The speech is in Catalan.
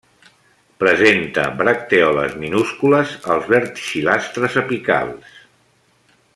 Presenta bractèoles minúscules als verticil·lastres apicals.